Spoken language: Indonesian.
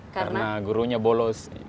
karena gurunya bolos